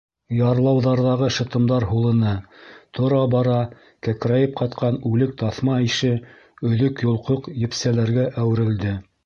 Ярлауҙарҙағы шытымдар һулыны, тора-бара кәкрәйеп ҡатҡан үлек таҫма ише өҙөк-йолҡоҡ епсәләргә әүерелде.